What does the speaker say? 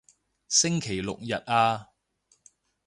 星期六日啊